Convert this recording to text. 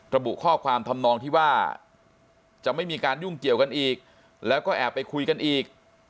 ระบุข้อความทำนองที่ว่าจะไม่มีการยุ่งเกี่ยวกันอีกแล้วก็แอบไปคุยกันอีก